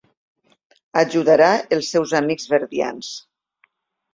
Ajudarà els seus amics verdians.